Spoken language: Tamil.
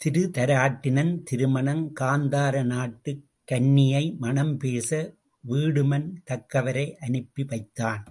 திருதராட்டிரன் திருமணம் காந்தார நாட்டுக் கன்னியை மணம் பேச வீடுமன் தக்கவரை அனுப்பி வைத்தான்.